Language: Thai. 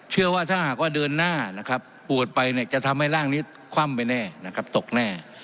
เชื่อว่าถ้าหากว่าเดินหน้านะครับปวดไปเนี่ยจะทำให้ร่างนี้คว่ำไปแน่นะครับตกแน่